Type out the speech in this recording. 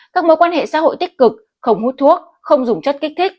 các mối quan hệ xã hội tích cực không hút thuốc không dùng chất kích thích